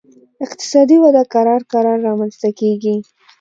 اقتصادي وده کرار کرار رامنځته کیږي